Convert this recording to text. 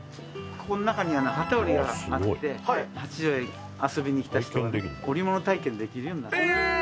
「ここの中に機織りがあって八丈へ遊びに来た人はね織物体験できるようになってます」